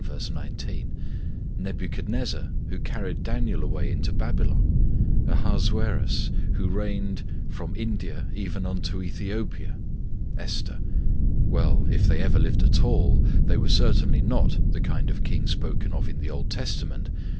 19); Nebuchadnezzar, who carried Daniel away into Babylon; Ahasuerus, who reigned "from India even unto Ethiopia" (Esther) well, if they ever lived at all, they were certainly not the kind of kings spoken of in the Old Testament.